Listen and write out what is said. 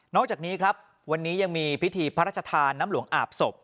จากนี้ครับวันนี้ยังมีพิธีพระราชทานน้ำหลวงอาบศพ